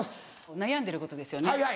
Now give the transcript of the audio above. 悩んでることですよね